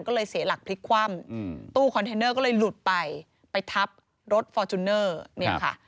ก็เลยเสียหลักพลิกคว่ำตู้คอนเทนเนอร์ก็เลยหลุดไปไปทับรถฟอร์จูเนอร์เนี่ยค่ะ